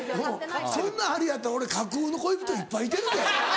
そんなんありやったら俺架空の恋人いっぱいいてるで。